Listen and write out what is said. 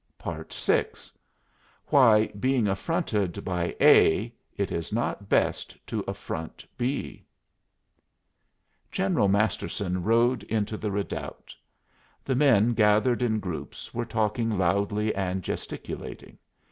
VI WHY, BEING AFFRONTED BY A, IT IS NOT BEST TO AFFRONT B General Masterson rode into the redoubt. The men, gathered in groups, were talking loudly and gesticulating.